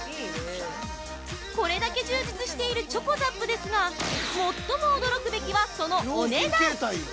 これだけ充実しているチョコザップですが、最も驚くべきはそのお値段。